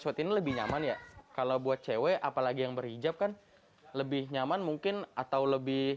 sweet ini lebih nyaman ya kalau buat cewek apalagi yang berhijab kan lebih nyaman mungkin atau lebih